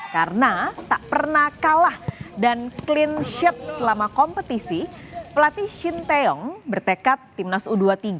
karena tak pernah kalah dan clean sheet selama kompetisi pelatih shin taeyong bertekad timnas u dua puluh tiga